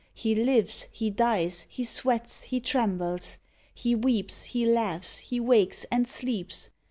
He lives, he dies, he sweats, he trembles. He weeps, he laughs, he wakes, and sleeps.